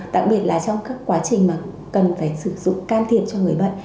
đặc biệt là trong các quá trình mà cần phải sử dụng can thiệp cho người bệnh